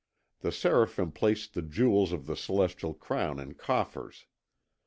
The Seraphim placed the jewels of the celestial crown in coffers.